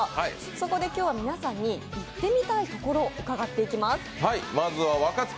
そこで今日は皆さんに行ってみたい所を伺っていきます。